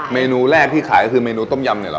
เมนูแรกที่ขายก็คือเมนูต้มยำเนี่ยเหรอ